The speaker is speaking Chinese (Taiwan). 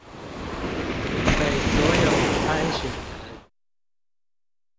給所有參選人